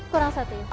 kurang satu ya